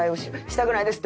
「したくないです」